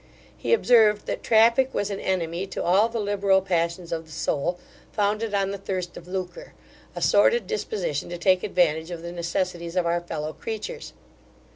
He observed, that traffick was an enemy to all the liberal passions of the soul, founded on the thirst of lucre, a sordid disposition to take advantage of the necessities of our fellow creatures.